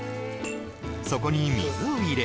そこに水を入れ